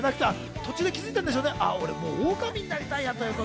途中で気づいたんでしょうね、俺もうオオカミになりたいって。